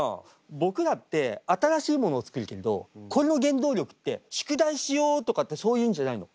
僕らって新しいものを作るけどこれの原動力って宿題しようとかってそういうんじゃないの。